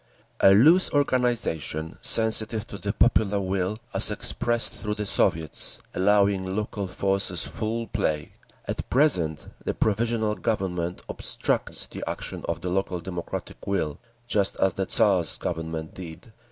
"A loose organisation, sensitive to the popular will as expressed through the Soviets, allowing local forces full play. At present the Provisional Government obstructs the action of the local democratic will, just as the Tsar's Government did.